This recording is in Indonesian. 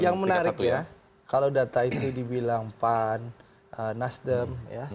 yang menarik ya kalau data itu dibilang pan nasdem